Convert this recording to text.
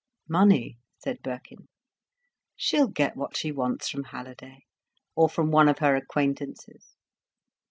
"Money?" said Birkin. "She'll get what she wants from Halliday or from one of her acquaintances."